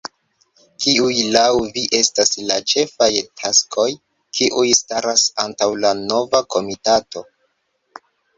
Kiuj laŭ vi estas la ĉefaj taskoj, kiuj staras antaŭ la nova komitato?